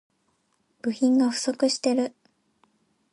部品が不足している